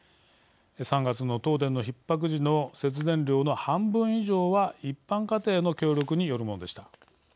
３月の東電のひっ迫時の節電量の半分以上は一般家庭の協力によるものでした。